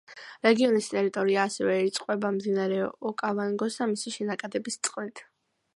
რეგიონის ტერიტორია ასევე ირწყვება მდინარე ოკავანგოს და მისი შენაკადების წყლით.